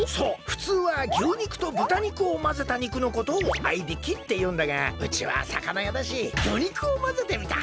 ふつうは牛肉と豚肉をまぜた肉のことを合いびきっていうんだがうちはさかなやだし魚肉をまぜてみた。